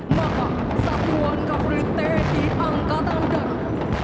maka satuan kapolri tni angkatan darat